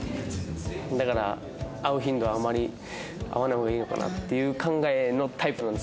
だから会う頻度はあんまり会わない方がいいのかなっていう考えのタイプなんです俺は。